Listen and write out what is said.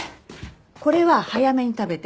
これは早めに食べて。